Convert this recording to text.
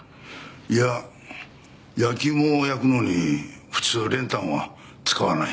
いや焼き芋を焼くのに普通練炭は使わない。